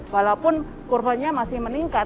walaupun kurvanya masih meningkat